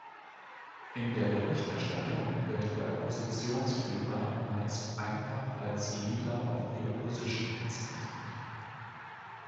In der Berichterstattung wird der Oppositionsführer meist einfach als "Leader of the Opposition" bezeichnet.